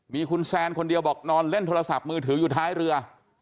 มีคุณแซนคนเดียวบอกนอนเล่นโทรศัพท์มือถืออยู่ท้ายเรือ